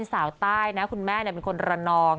สาวใต้นะคุณแม่เป็นคนระนอง